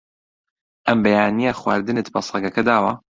ئەم بەیانییە خواردنت بە سەگەکە داوە؟